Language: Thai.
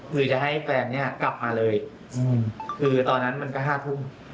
คือจะให้แฟนเนี่ยกลับมาเลยคือตอนนั้นมันก็๕ทุ่ม